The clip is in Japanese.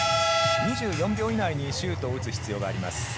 ２４秒以内にシュートを打つ必要があります。